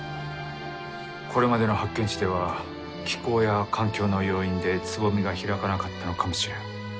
これまでの発見地では気候や環境の要因で蕾が開かなかったのかもしれん。